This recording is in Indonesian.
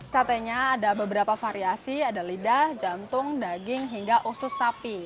satenya ada beberapa variasi ada lidah jantung daging hingga usus sapi